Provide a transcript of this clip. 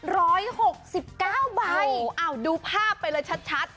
ร้อยหกสิบเก้าใบโอ้โหอ่าวดูภาพไปเลยชัดชัด